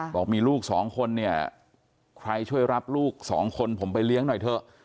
บอกมีลูกสองคนเนี่ยใครช่วยรับลูกสองคนผมไปเลี้ยงหน่อยเถอะ